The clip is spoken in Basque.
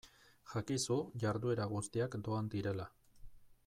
Jakizu jarduera guztiak doan direla.